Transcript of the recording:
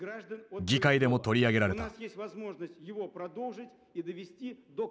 議会でも取り上げられた。